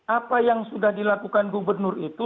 apa yang sudah dilakukan gubernur itu